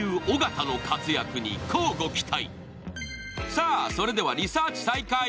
さあ、それではリサーチ再開。